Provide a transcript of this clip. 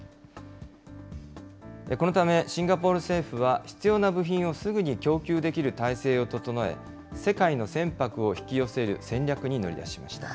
このため、シンガポール政府は、必要な部品をすぐに供給できる体制を整え、世界の船舶を引き寄せる戦略に乗り出しました。